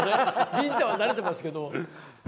ビンタは慣れてますけど。